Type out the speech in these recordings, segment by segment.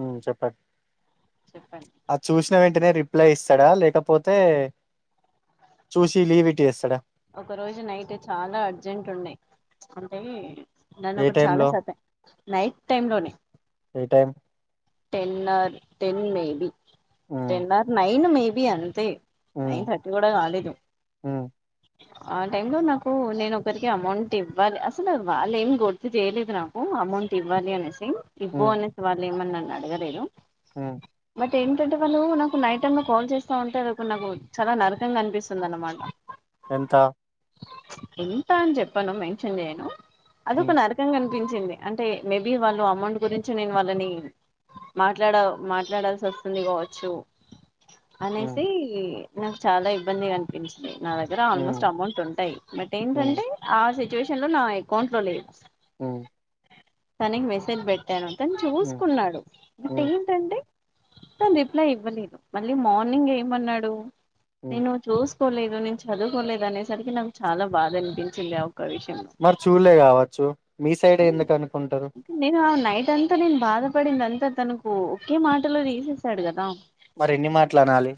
ఆ చెప్పండి చెప్పండి అది చూసిన వెంటనే రి అప్లై ఇస్తాడా లేకపోతే చూసి లీవ్ ఇట్ చేస్తాడా ఒక రోజు నైట్ చాలా అర్జెంట్ ఉన్నాయి అంటే నన్న ఏ ఒకటి టైమ్ చాలా లో సతా నైట్ టైమ్ లోనే ఏ time ten or ten maybe um ten or nine maybe అంతే ఉమ్ నైన్ థర్టీ కూడా కాలేదు ఉమ్ ఆ టై లో నాకు నేను ఒకరికి అమౌంట్ ఇవ్వాలి అసలు వాళ్ళ ఏమి గుర్తు చేయలేదు నాకు అమౌంట్ ఇవ్వాలి అనేసి ఇవ్వు అనేసి వాళ్ళు ఏమని నన్ను అడగలేదు ఆ టెన్ థర్టీ వాళ్ నాకు నైట్ టైమ్ లో కాల్ చేస్తా ఉంటే అది నాకు చాలా నరకంగా అనిపిస్తుంది అన్నమాట ఎంత ఎంత అని చెప్పను మెన్షన్ చేయను అది ఒక ఉమ్ నరకంగా చనిపించింది అంటే మేబీ వాళ్ళు అమౌంట్ గురించి నేను వాళ్ళని మాట్లాడ మాట్లాడాల్సి వస్తుంది కావచ్చు ఉమ్ అనేసి నాకు చాలా ఇబ్బంది కనిపించింది నా దగ్గర ఉమ్ ఆల్మోస్ట్ అమౌంట్ ఉంటాయి బట్ ఉమ్ ఏంటంటే ఆ సిచువేషన్ లో నా అకౌంట్ లో లేదు ఓ తనకి మెసేజ్ పెట్టాను తను ఉమ్ చూసుకున్నాడు అంట ఉమ్ ఏంటంటే తను రీప్లా ఇవ్వలేదు మళ్ళీ మార్నింగ్ ఏమన్నాడు ఉమ్ నేను చూ చదుకోలేదు నేను చదువుకోలేదు అనేసరికి నాకు చాలా బాధ అనిపించింది ఆ ఒక ఆ విషయం లో మరి చూడలే కావచ్చు మీ సైడ్ ఎందుకు అనుకుంటారు నేను నైట్ అంతా నేను బా బాధపడిందంతా తనకు ఒకే మాటలో తీసేసాడు కదా మరి ఎన్ని మాటల్లు అన్నాలి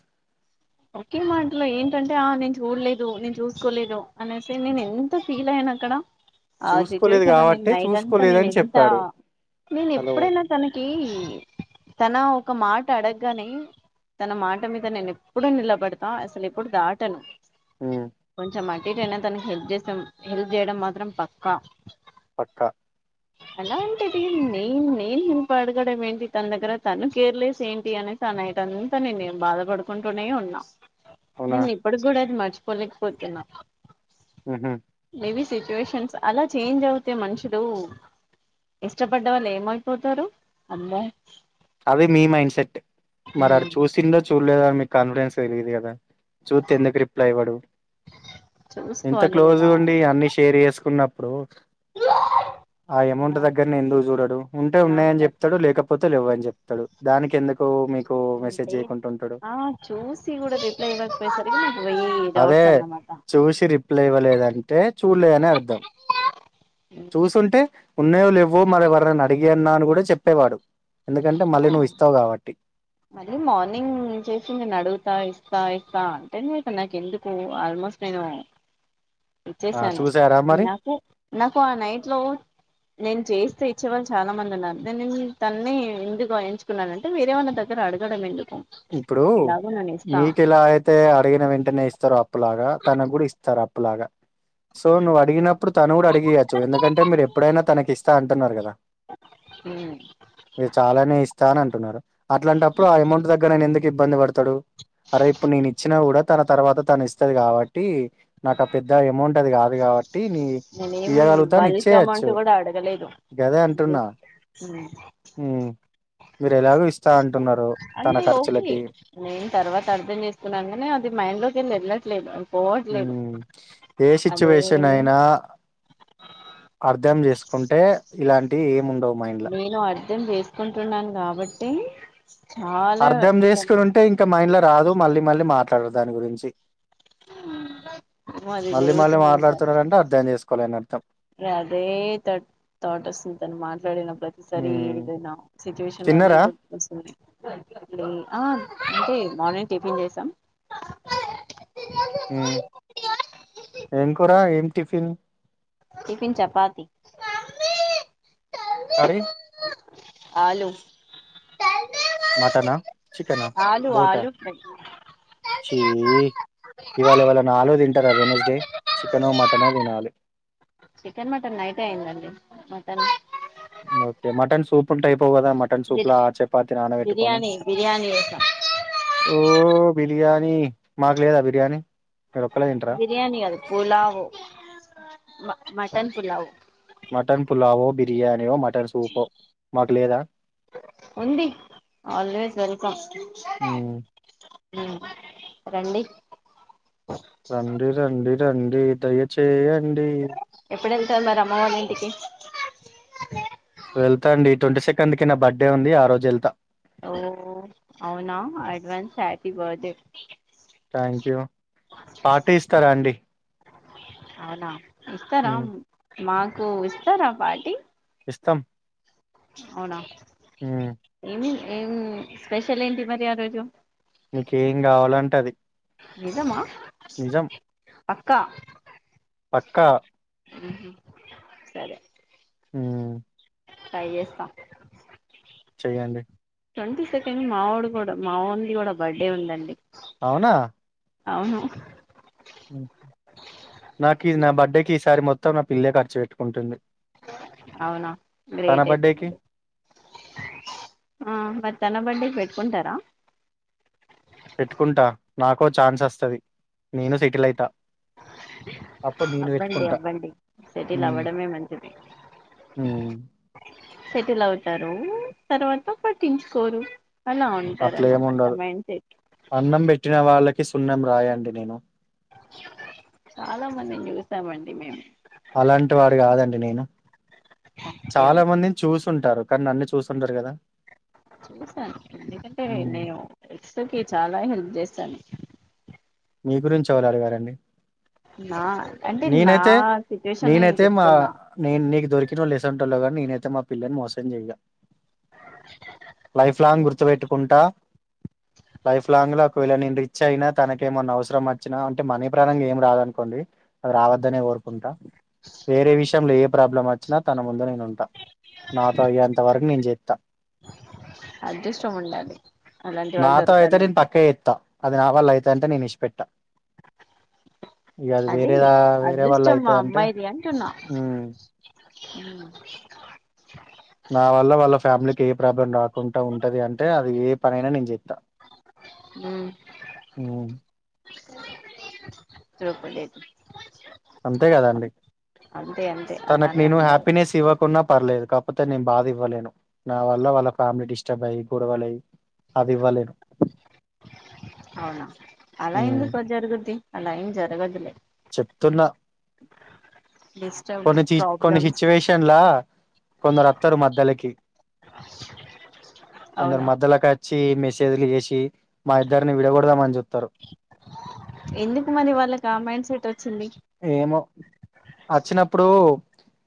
ఒకే మాటలో ఆ ఏంటంటే ఆ చూడలేదు నేను చూసుకోలేదు అనేసి నేను ఎంత ఫీల్ అయ్యాను అక్కడ ఆ చూసుకోలేదు సిచువేషన్ నిన్న కాబట్టి నైట్ అంతా నేను చూసుకోలేదని ని ఎంతా చెప్పాడు నేను హలో ఎప్పుడైనా తనకి తన ఒక మాట అడగగానే తన మాట మీద నేను ఎప్పుడు నిలబడతాను అసలు ఎప్పుడు దాటను ఉమ్ కొంచెం ఆటు ఇటు తనకి హెల్ప్ చేసాం హెల్ప్ చేయడం మాత్రం పక్కా పక్క అలా అంటేది నేను నేను హెల్ప్ అడగడం ఏంటి తన దగ్గర తను కేర్లెస్ ఏంటి అని తనైట్ అంతా నే నేను బాధపడుకుంటూనే ఉన్నా అవునా నేను ఇప్పుడు కూడా అది మర్చిపోలేకపోతున్నా ఉహు మేబీ సిచ్యువేషన్స్ అలా చేంజ్ అవుతాయి మనుషులు ఇష్టపడ్డ వాళ్లు ఏమైపోతారు అబ్బా అది మీ మైండ్ సెట్ మరి అడా ఉమ్, చూసిందో చూడలే అని మీకు కాన్ఫిడెన్స్ తెలియదు కదా చూత్ ఎందుకు రిప్లై ఇవ్వడు ఇంత చూసుకోవాలి క్లోజ్ కదా ఉండి అన్ని షేర్ చేసుకున్నప్పుడు ఆ అమౌంట్ నా దగ్గరనే ఎందుకు చూడడు ఉంటే నా ఉన్నాయని పట్ల చెప్తాడు లేకపోతే లేవ అని చెప్తాడు తడు దానికి ఎందు అంటే ఆ చూసి కూడా రిప్లై ఇవ్వకపోయేసరికి నాకు పోయ అదే చూసి రిప్లై ఇవ్వలేదంటే చూడలేదని అర్ధం చూసుంటే ఉన్నాయో లే ఎవో మరెవరని అడిగి అన్నా అని కూడా చెప్పేవాడు ఎందుకంటే మళ్ళీ నువ్వు ఇస్తావు కాబట్టి మళ్ళీ మార్నింగ్ చేసింది నను అడుగుతా ఇస్త ఇస్తా ఇస్తా అంటే ఇ నాకు ఎందుకు ఆల్మోస్ట్ నేను ఆ ఇచ్చసాను చూసారా మరి నాకు నాకు ఆ నైట్ లో నేను చేస్తే వచ్చే వాళ్ళు చాలా మంది ఉన్నారు దేని తన్ని ఎందుకుగా ఎంచుకున్నా అంటే వేరే వాళ్ళ దగ్గర అడగడం ఎందుకు ఇప్పుడు ఎలాగో నేను ఇస్తా మీకులా అయితే అడిగిన వెంటనే ఇస్తారు అప్పులాగా తన కూడా ఇస్తారు అప్పలాగా సో నువ్ అడిగిన ఇప్పుడు తను కూడా అడిగయచ్చు ఎందుకంటే మీరు ఎప్పుడైనా తనకి ఇస్తా అంటున్నారు కదా ఇది చాలానే ఇస్తా అని అంటున్నారు అట్లాంటప్పుడు ఆ అమౌంట్ దగ్గ ఎందుకు ఇబ్బంది పడతాడు అరే ఇప్పుడు నేను ఇచ్చినా కూడా తన తర్వాత తను ఇస్తది కాబట్టి నాకు ఆ పెద్ద అమౌంట్ అది కాదు కాబట్టి నీ ఇయ్యగలుగుతా అని ఇచ్చేయచ్చు లేదు గదే అంటున్నా ఉమ్ ఎలాగో ఇస్తా అంటున్నారు తన అంటే ఓకే ఖర్చులకి నేను తర్వాత అర్ధం చేసుకున్నాగానే అది మైండ్ లోకి ఎళ్ ళ్లట్లేదు అది పోవట్లేదు ఉమ్ ఏ సిచ్యువేషన్ అదే అయినా అర్ధం చేసుకుంటే ఇలాంటియి ఏముండవ్ మైండ్లా అర్దం చేసుకుంటున్నాను కాబట్టి చాలా అర్ధం చేసుకుని ఉంటే ఇంకా మైండ్ల రాదు మళ్ళీ మళ్ళీ మాట్లాడరు దాని గురించి అది మళ్ళీ మళ్ళీ జరుగుతుంది ఇంకా మాట్లాడుతున్నారంటే అర్థం చేసుకోలే అని అర్థం అదే త థాట్ వస్తుంది తను మాట్లాడినప్ ప్రతిసరి ఉమ్ ఏదైనా సిచ్యువేషన్ లో అదే తిన్నారా గుర్తుకస్తుంది ఆ అంటే మార్నింగ్ టిఫిన్ చేసాం ఉమ్ ఏం కురా ఏం టిఫిన్ టిఫిన్ చపాతి కర్రీ? ఆలు మటనా చికెనా ఆలు బోట ఆలు ఫ్రై చీ ఇవాళ ఎవాలన్నా ఆలు తింటారా వెనస్డే చికెనో మటనో తినాలే చికెన్ మటన్ నైట్ అయిందండి మటన్ ఓకే మటన్ సూపున్ టైప్ పోవ్ గదా మటన్ బిర్ సూప్లా ఆ చపాతీ నాణపెట్టుకొని బిర్యానీ బిర్యానీ చేసాం ఓ బి ర్యాని మాగ్ లేదా బిర్యానీ మీరొక్కళ్ళే తింటరా? బిర్యానీ కాదు పులావో మటన్ పులావో మటన్ పులావో బిర్యానీయో మటన్ సూపో మాక్ లేదా ఉంది ఆల్వేస్ వెల్కమ్ హ్మ్. ఉమ్ రండి రండి రండి రండి దయచేయండి ఎప్పుడెళ్తర్ మరి అమ్మవాల్ ఇంటికి ఎళ్తా అండి ట్వంటీ సెకండ్ కి నా బర్త్డే ఉంది ఆ రోజు ఎళ్తా ఓ అవునా advance happy birthday thank you party ఇస్తారా అండి అవునా ఇస్తారా హ్మ్. మాకు ఇస్తారా పార్టీ ఇస్తం అవునా ఏమి ఎం స్పెషల్ ఏంటి మరి ఆ రోజు మీకేం కావాలంటే అది నిజమా నిజం పక్కా పక్కా ఉహు సరే ఉమ్ ట్రై చేస్తా చెయ్యండి ట్వంటీ సెకండ్ మా వోడు కూడా మా వోన్ది కూడా బర్త్డే ఉందండి అవునా అవును హ్మ్. ఈసారీ మొత్తం నా పిల్లే ఖర్చు పెట్టుకుంటుంది అవునా తన గ్రేట్ అయితే బర్త్‌డేకి మీరు ఆ మరి తన బర్త్డేకి పెట్కుంటారా పెట్టుకుంటా నాకో ఛాన్స్ అస్తది నేను సెటిలైత అప్పుడ్ నేను అవ్వండి పెట్టుకుంటా అవ్వండి సెటిల్ ఉమ్ అవ్వడమే మంచిది సెటిల్ అవుతారు తర్వాత పట్టించుకోరు అలా ఉంటారన్నమాట అట్లేముండదు. మైండ్ సెట్ సున్నాం రాయా అండి నేను చాలా మందిన్ చూసామండి మేమ్ అలాంటి వారు కాదండి నేను చాలా మందిన్ చూసుంటారు కనీ నన్ని చూసుండరు కదా చూసాను ఎందుకంటే హ్మ్. నేను ఎక్స్ కి చాలా హెల్ప్ చేసాను మీ గురించి ఎవరు అడిగారండి నా అంటే నా నేనైతే సిచ్యువేషన్ నేను నేనైతే మా చెప్తున్నా నే నీకు దొరికినోళ్ళు ఏసొంటోల్లో గాన్ నేనైతే మా పిల్లని మోసం చెయ్య లైఫ్ లాంగ్ గుర్తుపెట్టుకుంటా [inaudible] లైఫ్ లాంగ్ ల ఒకవేళ నేను రిచ్ అయినా తనకి ఏమన్నా అవసరం వచ్చినా అంటే మనీ ప్రాణంగా ఏం రాదనుకోండి అది రావద్దనే కోరుకుంటా వేరే విషయంల ఏం ప్రాబ్లం వచ్చినా తన ముందు నేను ఉంటా నాతో అయ్యేంత వరకు నేన్ చెత్తా అదృష్టం ఉండాలి అలాంటి వాళ్ళు నాతో అయితే నేను దొరకాలంటే పక్కా చేత్తా అది నా వాళ్ళ అయితదంటే నేను ఇషిపెట్ట ఇగ అది వే రేలా వేరే వాళ్ళ అదృష్టం మా అయితదంటే ఉమ్ ఉమ్ నా వల్ల వాళ్ళ ఫ్యామిలీకి ఏ ప్రాబ్లం రాకుంట ఉంటది అంటే అది ఏ పనైనా నేన్ చెత్తా ఉమ్ ఉమ్ దొరక లేదు అంతే కదాండి అంతే అంతే తనకు అలానే నేను ఉండాలి హ్యాపీనెస్ ఇవ్వకున్న పర్లేదు కాకపోతే నేను బాధ ఇవ్వలేను నా వల్ల వాళ్ళ ఫ్యామిలీ డిస్టర్బ్ అయ్యి గొడవలై అది ఇవ్వలేను అవునా అలా ఉమ్ ఎందుకు జరుగుద్ది అలా ఏం జరగద్లే చెప్తున్నా డిస్టర్బ్ కొన్ని చి కొన్ని ప్రాబ్లమ్స్ సిచ్యువేషన్లా కొందరత్తరు మధ్యలకి కొందరు అవునా మధ్యలకచ్చి మెసేజ్లు చేసి మా ఇద్దరిని విడకొడదామని చూత్తరు ఎందుకు మరి వాళ్ళకి ఆ మైండ్ సెట్ వచ్చింది ఏమో అచ్చినప్పుడు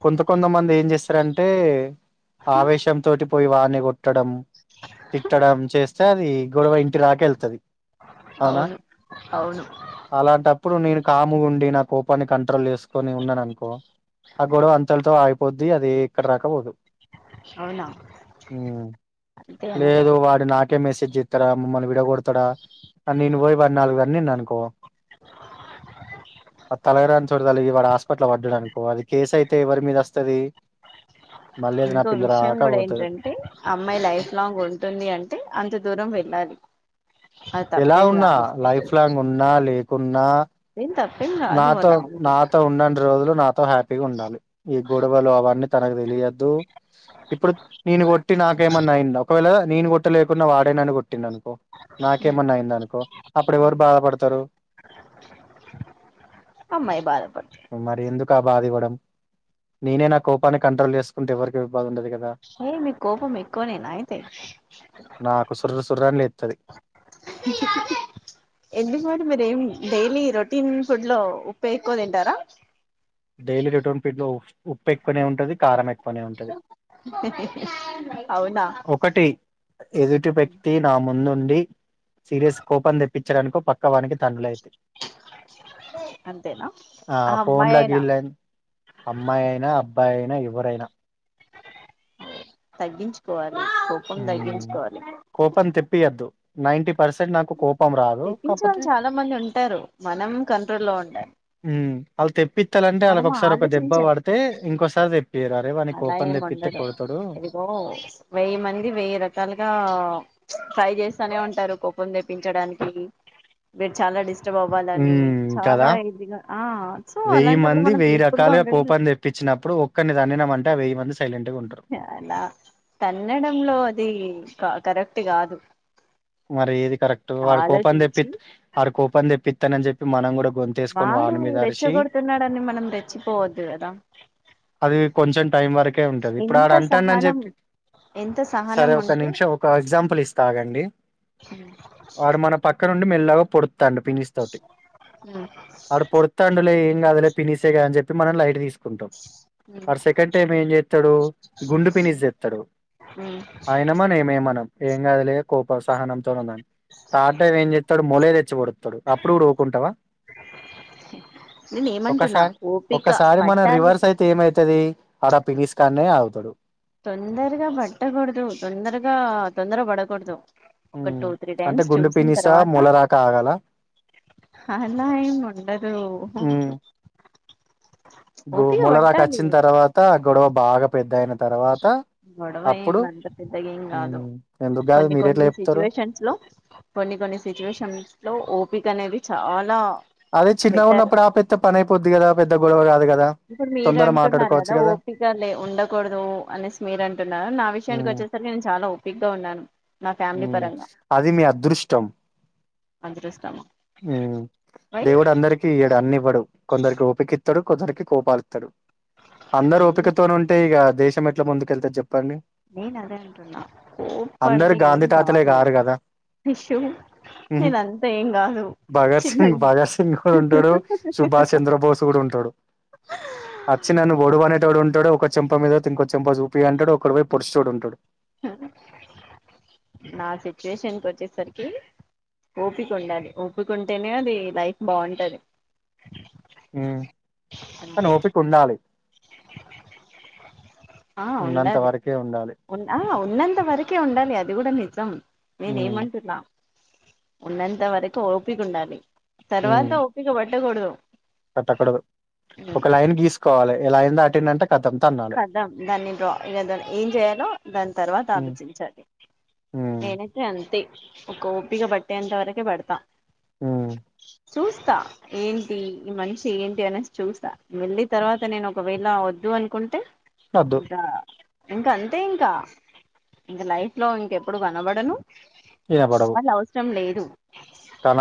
కొంత కొంతమంది ఏం చేస్ రంటే ఆవేశం తోటి పోయి వాన్ని కొట్టడం తిట్టడం చేస్ ఆది గొడవ ఇంటి దాకా ఎళ్తది అవునా అవును అవును అలాంటప్పుడు నేను కాముగుండి నా కోపాన్ని కంట్రోల్ చేసుకొని ఉన్నాననుకో ఆ గొడవ అంతట్తో ఆగ్ పొద్ది అది ఎక్కడి దాకపోదు అవునా అంతే అంతే లేదు వాడు నాకే మెస్ చేత్తారా మమ్మల్ని విడగొడతడా నేను పోయి వన్ని నాలుగు తన్నిన్ననుకో అద్ తలగరాని చోట తలిగి వాడు హాస్పిట్ల పడ్డాడనుకో అది కేసు అయితే ఎవరి మీద వస్తది మ ఇంకో విషయం కూడా ఏంటంటే అమ్మాయి లైఫ్ లాంగ్ ఉంటుంది అంటే అంత దూరం వెళ్ళాలి అది ఎలా తప్పేం ఉన్నా కాదు లైఫ్ లాంగ్ ఉన్నా లేకున్నా ఏం తప్పేం కాదు నాతో అలా అంటే నాతో ఉన్నన్ రో రోజులు నాతో హ్యాపీగా ఉండాలి ఈ గొడవలు అవన్నీ తనకు తెలియద్దు ఇప్పుడు నేను కొట్టి నాకేమన్నా అయింద ఒకవేళ నేను కొట్టలేకున్నా వాడే నన్ను కొ ట్టింది అనుకో నాకేమన్నా అయిందనుకో అప్పుడు ఎవరు బాధపడతారు అమ్మాయి బాద పడ్త్ మరి ఎందుకు ఆ బాధ ఇవ్వడం నేనే నా కోపాన్ని కంట్రోల్ చేసుకుంటే ఎవరికె ఎ బాద ఉండది కదా ఏ మీక్ కోపం ఎక్కువ నేన అయితే నాకు సుర్రు సుర్రని లేత్తది ఎందుకు మరీ మీరేం డైలీ రొటీన్ ఫుడ్ లో ఉప్పేక్కువ తింటారా డైలీ రోటిన్ ఫీడ్ లో ఉప్పు ఎక్కువనే ఉంటది కారం ఎక్కు అవునా ఒకటి ఎదుటి వ్యక్తి నా ముందు ఉండి సీరియస్ కోపం తెప్పించడానికో ప క్కా వానికి తన్నులైతయ్ అంతేనా ఆ అమ్మాయి ఫోన్ల అయినా వీళ్ళన్ అమ్మాయి అయినా అబ్బాయి అయినా ఎవరైనా తగ్గించుకోవాలి కోపం ఉం తగ్గించుకోవాలి కోపన్ తెప్పియద్దు నైన్టీ తెప్పించే వాళ్ళు చాలా మంది ఉంటారు మనం కంట్రోల్ లో ఉండాలి ఉం అళ్ళు తెప్పిత్తలంటే మనం వాళ్ళకొకసారి ఒక దెబ్బ ఆలోచించాలి పడితే ఇంకోసారి తె అలా ఏం ఉండదు ఇదిగో వెయ్యి మంది వెయ్యి రకాలుగా ట్రై చేస్తానే ఉంటారు కుప్పం తెప్పించడానికి మీర్ చాలా డిస్ ష్టబ్ అవ్వాలని హ్మ్. కదా! చాలా ఇదిగా ఆ సో అలాంటప్పుడు మనం పీస్ఫుల్ గా ఉండడమే ప్పుడు ఒక్కరినిది తన్నినం అంటే అ వెయ్యి మంది సైలెంట్‌గా ఉంటరు. అలా తన్నడంలో అది క కరెక్ట్ కాదు మరి ఏది కరెక్ట్ వాడు కూపం తెప్పి ఆలోచించి వాడు కోపం తెప్పిత్తన్నని చెప్పి మనం కూడా వాడు రెచ్చగొడుతున్నాడని మనం రెచ్చిపోవద్దు కదా అది కొంచెం టైం వరకే ఉంటది ఇప్పుడు ఆడ ఎంత అంటండని సహనం చెప్పి ఎంత సహనం సరే ఒక ఉంటే నిమిషం ఒక ఎగ్జాంపుల్ ఇస్తాగండి వాడు మన పక్క నుండి మెల్లగా పొడు త్తండు పినిస్ తోటి అడు పొడుత్తాండు లే ఎం గాదు లే పినిసేగదని చెప్పి మనం లైట్ తీసు కుంటాం ఆడు సెకండ్ టైం ఏం చేత్తడు గుండు పినిస్ తెత్తరు అయనమాన ఏమే మనం ఏం గాద్ లే కోపస్ తాట్ టైం ఏం చేత్తడు మొలే తెచ్చి పొడుత్తడు అప్పుడు గూడా ఉకుంటావా నేను ఏమంటున్నా ఒకసారి ఓపిక ఒకసారి మనం పట్టాలి రివర్స్ అయితే ఏమైతది అడ పినిస్ కాన్నే అగు తొందరగా పట్టకూడదు తొందరగా తొందర పడకూడదు ఒక ఉమ్ టూ త్రీ అంటే టైమ్స్ గుండు చూసిన పినిసా తర్వాత మొలరాక ఆగాల అలా ఎం ఉండదు గో ఓపిక ములదాక పట్టాలి అచ్చిన తర్వాత గొడవ బాగా పెద్దగయిన గడవ ఇం అంత పెద్దగెం కాదు ఉమ్ ఎందుకు కాదు కొన్ని మీరెట్లా కొన్ని చెప్తారు సిచ్యువేషన్స్ లో కొన్ని కొన్ని సిచ్యువేషన్స్ లో ఓపికనేది చాలా అదే చిన్నగా బెటర్ ఉన్నప్పుడు ఆపెత్తే పనయిపోద్ది కదా పెద్ద గొడవ కాదు కద్ ఇప్పుడు మీరు అంటున్నారు కదా ఓపిక లే ఉండకూడదు అనేసి మీరంటున్నార నా విషయానికి వచ్చేసరికి నేను చాలా ఓపిగ్గా ఉన్నాను నా ఉ ఫ్యామిలీ పరంగా అది మీ అదృష్టం అదృష్టం వై దేవుడు అందరికిీ ఇయ్యడు అన్ని ఇవ్వడు కొందరికి ఓపిక ఇత్తడు కకొందరికి కోపాలు ఇత్తడు అందరు ఓపికతోని ఉంటే ఇక దేశం ఎట్లా ముందుకెళ్తేరు చెప్పు నేను అదే అంటున్నా కోపడతే గాంది తాత్లే కారు కదా ఇష్యూ ఉహు నేన అంతా ఏం కాదు భగత్ సింగ్ చిన్నగనే భగత్ సింగ్ కూడా ఉంటాడు సుభాష్ చంద్రబోస్ కూడా ఉంటడు అచ్చి నన్న బోడు బనే తోడు ఉంటు టాడు ఒక చెంప మీద ఇంకో చెంప చూపి అంటాడు ఒకడు వోయి పొడుసు చూడు ఉంటాడు నా సిచ్యుయేషన్కి వచ్చేసరికి ఓపిక ఉండాలి ఓపిక ఉంటేనే అది లైఫ్ బాగుంటది హు నోపిక ఉండాలి ఆ ఆ ఉన్నంత ఉండాలి వరకే ఉండాలి ఉన్ ఆ ఉన్నంత వరకే ఉండాలి అది కూడా నిజం నేనే ఉమ్ ఏమంటున్నా ఉన్నంత వరకు ఓపిక ఉండాలి హ్మ్. తర్వాత ఒప్పిక బట్టకూడదు కట్టకూడదు ఒక లైన్ గీసుకోవాలి ఏ లైన్ దాటిండి అంటే కదాం దాన్ని డ్రా ఏద ఏం జేయాలో దాని తర్వాత హ్మ్. ఆలోచించాలి హ్మ్. నేనయితే అంతే ఒక ఓపిక బట్టే అంత వరకే పడతా ఆ చూస్తా ఏంటి ఈ మనిషి ఏంటి అనేసి చూస్తా వెళ్లి తర్వాత నేను ఒకవేళ వద్దు అనుకుం అ ఒద్దు ఇగా ఇంకా అంతే ఇంకా ఇంక లైఫ్ లో ఇంకెప్పుడు కనబడను ఇనపడవు. వాళ్ళ అవసరం లేదు కనం